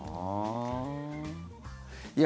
いや、